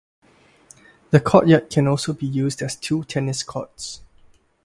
The courtyard can also be used as two tennis courts.